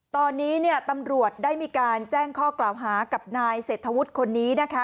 ตอนนี้เนี่ยตำรวจได้มีการแจ้งข้อกล่าวหากับนายเศรษฐวุฒิคนนี้นะคะ